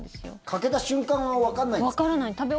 欠けた瞬間はわからないんですか？